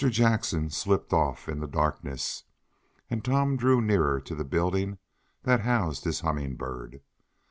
Jackson slipped off in the darkness, and Tom drew nearer to the building that housed his Humming Bird.